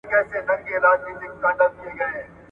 کومه ژبه په انټرنیټ کې ډېره کارول کیږي؟